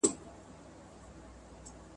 هغه خپل ساعت ته وکتل.